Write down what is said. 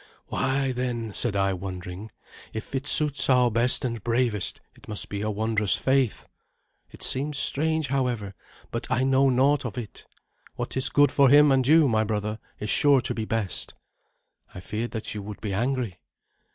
"Why, then," said I, wondering, "if it suits our best and bravest, it must be a wondrous faith. It seems strange, however; but I know naught of it. What is good for him and you, my brother, is sure to be best." "I feared that you would be angry."